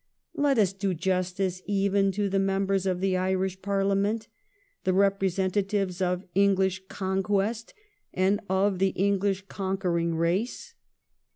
Let us do justice even to the members of the Irish Parliament, the representatives of Enghsh conquest and of the English conquering race.